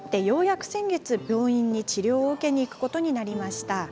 ようやく先月病院に治療を受けに行くことになりました。